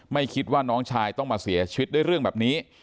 ไม่คิดว่าน้องชายต้องมาเสียชีวิตด้วยเรื่องแบบนี้